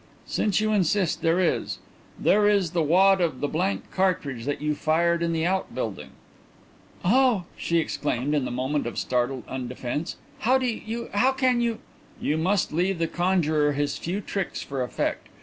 "Since you insist, there is. There is the wad of the blank cartridge that you fired in the outbuilding." "Oh!" she exclaimed, in the moment of startled undefence, "how do you how can you " "You must leave the conjurer his few tricks for effect.